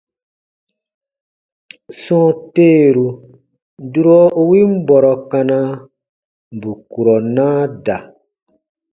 Sɔ̃ɔ teeru, durɔ u win bɔrɔ kana, bù kurɔ naa da.